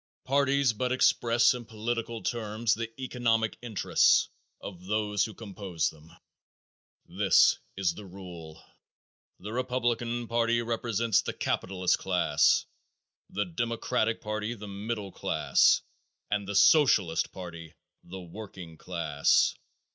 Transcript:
Parties but express in political terms the economic interests of those who compose them. This is the rule. The Republican party represents the capitalist class, the Democratic party the middle class and the Socialist party the working class.